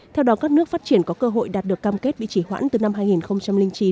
theo đó các nước phát triển có cơ hội đạt được cam kết bị chỉ hoãn từ năm hai nghìn chín